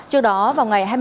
trước đó vào ngày hai mươi một